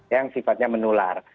yang sifatnya menular